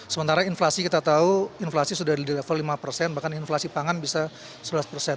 sementara inflasi kita tahu inflasi sudah di level lima persen bahkan inflasi pangan bisa sebelas persen